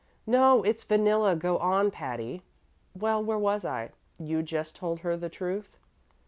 "No; it's vanilla. Go on, Patty." "Well, where was I?" "You'd just told her the truth."